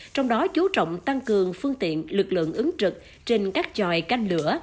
trong đó chú trọng tăng cường phương tiện lực lượng ứng trực trên các tròi canh lửa